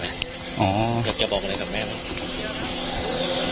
อยากจะบอกอะไรกับแม่บ้าง